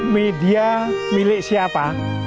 media milik siapa